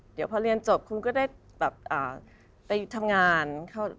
เดี๋ยวพอเรียนจบคุณก็ได้แบบไปทำงาน